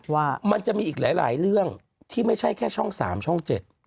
ว่ามันจะมีอีกหลายเรื่องที่ไม่ใช่แค่ช่อง๓ช่อง๗